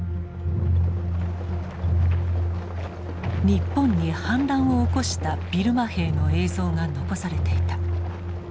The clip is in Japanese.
日本に反乱を起こしたビルマ兵の映像が残されていた。